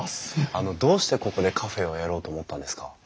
あのどうしてここでカフェをやろうと思ったんですか？